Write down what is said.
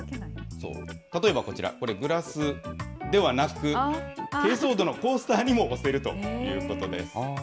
例えばこちら、これグラスではなく、けいそう土のコースターにも押せるということです。